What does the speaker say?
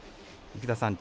生田さん